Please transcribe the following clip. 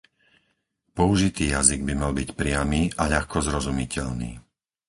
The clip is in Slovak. Použitý jazyk by mal byť priamy a ľahko zrozumiteľný.